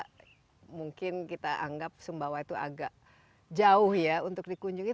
tentu saja mungkin kita anggap sumbawa itu agak jauh ya untuk dikunjungi